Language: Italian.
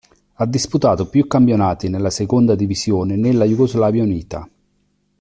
Ha disputato più campionati nella seconda divisione nella Jugoslavia unita.